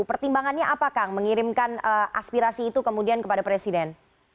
pertimbangannya apa kang mengirimkan aspirasi itu kemudian kepada presiden